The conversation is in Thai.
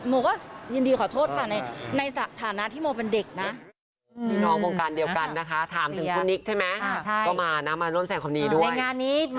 โมก็ยินดีขอโทษค่ะในสถานะที่โมเป็นเด็กนะ